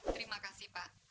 terima kasih pak